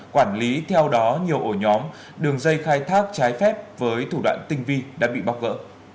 quản lý theo đó nhiều ổ nhóm đường dây khai thác trái phép với thủ đoạn tinh vi đã bị bóc gỡ